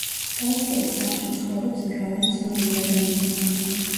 ტოლსტოის სახლში ცხოვრობს მრავალი ცნობილი ადამიანი.